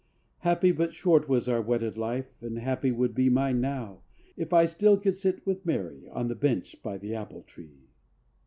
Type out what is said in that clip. Happy but short was our wedded life, And happy would mine now be, If I still could sit with Mary On the bench by the apple tree.